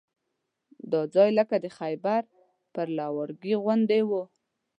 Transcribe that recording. دا ځای لکه د خیبر پر لاره لواړګي غوندې وو.